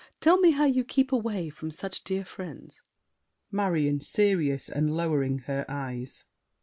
Tell me how You keep away from such dear friends. MARION (serious, and lowering her eyes).